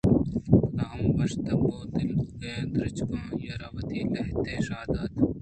پدا ہمے وش تب ءُ دل پہکیں درٛچکاں آئی ءَ را وتی لہتیں شاہ دات